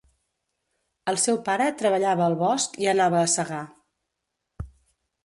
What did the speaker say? El seu pare treballava al bosc i anava a segar.